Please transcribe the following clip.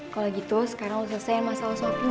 kalau gitu sekarang lo selesaiin masalah sama fino